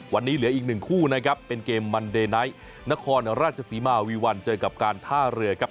วันนี้เหลืออีกหนึ่งคู่นะครับเป็นเกมมันเดไนท์นครราชศรีมาวีวันเจอกับการท่าเรือครับ